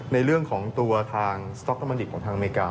ในเรื่องของตัวทางสต๊อกเกอร์มันดิบของทางอเมริกา